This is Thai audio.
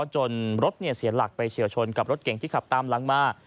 จนรถเสียหลักไปเฉียวชนกับรถเก่งที่ขับตามหลังมา